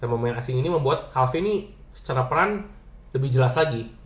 dan pemain asing ini membuat calvin ini secara peran lebih jelas lagi